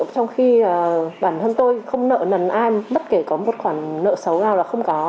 trong khi bản thân tôi không nợ nần ai bất kể có một khoản nợ xấu nào là không có